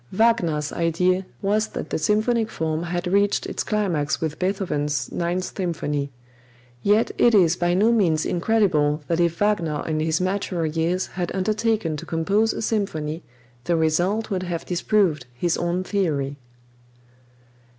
Wagner's idea was that the symphonic form had reached its climax with Beethoven's Ninth Symphony; yet it is by no means incredible that if Wagner in his maturer years had undertaken to compose a symphony, the result would have disproved his own theory.